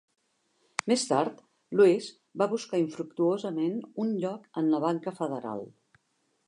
Més tard, Lewis va buscar infructuosament un lloc en la banca federal.